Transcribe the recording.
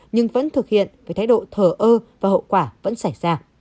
nhưng vẫn thực hiện với thái độ thở ơ và hậu quả vẫn xảy ra